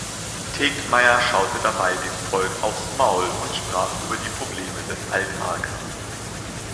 Tegtmeier schaute dabei dem „Volk aufs Maul“ und sprach über die Probleme des Alltags.